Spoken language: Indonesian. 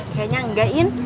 kayaknya enggak in